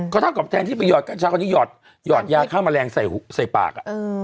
ก็เท่ากับแทนที่ไปหอดกัญชาคนนี้หยอดยาฆ่าแมลงใส่ปาก